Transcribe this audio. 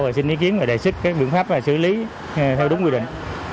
và xin ý kiến và đề xích các biện pháp xử lý theo đúng quy định